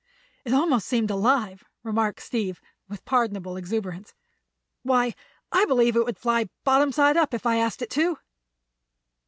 "It almost seemed alive," remarked Steve, with pardonable exuberance. "Why, I believe it would fly bottom side up, if I asked it to!"